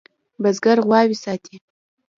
بزگر غواوې ساتي.